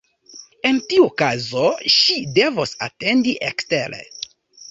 En tiu okazo ŝi devos atendi ekstere.